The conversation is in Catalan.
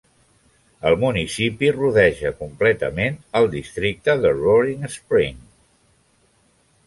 El municipi rodeja completament el districte de Roaring Spring.